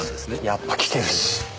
やっぱ来てるし。